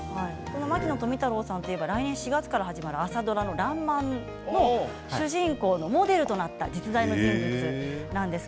牧野富太郎さんといえば来年４月から始まる朝のテレビ小説の「らんまん」の主人公のモデルとなった実在の人物です。